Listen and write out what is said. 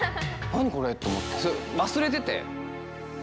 何、これ？と思って、忘れてて。